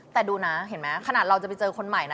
แต่ดูนะเห็นไหมขนาดเราจะไปเจอคนใหม่นะ